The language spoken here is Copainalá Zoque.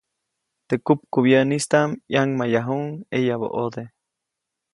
Teʼ kupkubyäʼnistaʼm ʼyaŋmayjayuʼuŋ ʼeyabä ʼode.